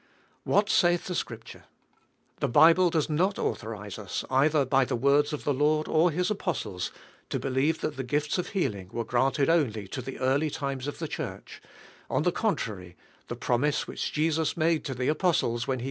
WHAT SA1TH THE SCBIPTUnE? The Bible does not authorise us, either by the words of the Lord or His apostles, to believe that the gifts of healing were granted only to the early times of the Church; on the contrary, the promise which Jesus made to the apostles when ' DIVINE HEALING.